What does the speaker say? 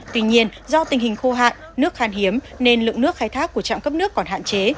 tuy nhiên do tình hình khô hạn nước khan hiếm nên lượng nước khai thác của trạm cấp nước còn hạn chế